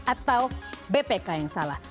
atau bpk yang salah